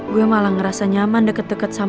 gue malah ngerasa nyaman deket deket sama